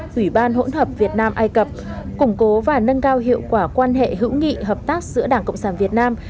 thủy ban hỗn hợp việt nam ai cập củng cố và nâng cao hiệu quả quan hệ hữu nghị hợp tác giữa đảng cộng sản việt nam